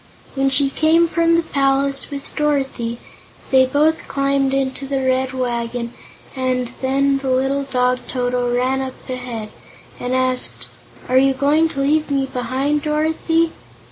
When she came from the palace with Dorothy, they both climbed into the Red Wagon and then the little dog, Toto, ran up and asked: "Are you going to leave me behind, Dorothy?"